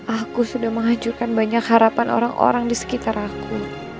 aku sudah menghancurkan banyak harapan orang orang di sekitar aku